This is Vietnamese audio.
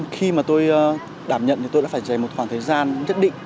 khi mà tôi đảm nhận thì tôi đã phải dành một khoảng thời gian nhất định